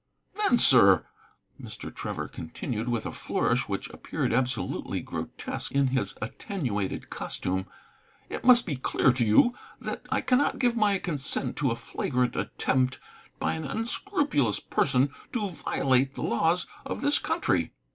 "Then, sir," Mr. Trevor continued, with a flourish which appeared absolutely grotesque in his attenuated costume, "it must be clear to you that I cannot give my consent to a flagrant attempt by an unscrupulous person to violate the laws of this country."